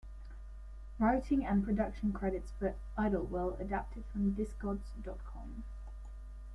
Writing and production credits for "Idlewild" adapted from Discogs dot com.